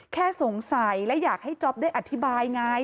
แค่สงสัยและอยากให้จ๊อปได้อธิบายไง